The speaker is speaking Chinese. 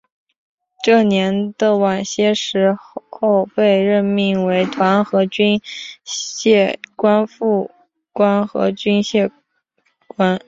这年的晚些时候被任命为团和军械官副官和军械官。